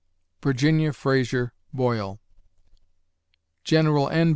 VIRGINIA FRAZER BOYLE _Gen. N.